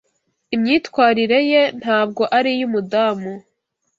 Imyitwarire ye ntabwo ari iy'umudamu.